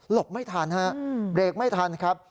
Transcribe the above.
ไม่ทันฮะเบรกไม่ทันครับ